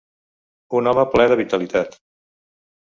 Un home ple de vitalitat.